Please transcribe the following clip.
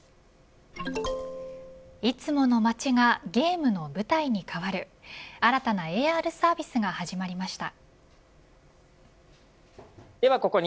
いつもの街ががゲームの舞台に変わる新たなＡＲサービスが始まりました。